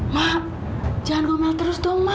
mak jangan gomel terus dong mak